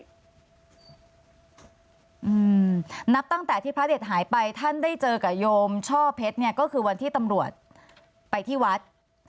นับตั้งแต่ที่พระเด็ดหายไปท่านได้เจอกับโยมช่อเพชรเนี่ยก็คือวันที่ตำรวจไปที่วัด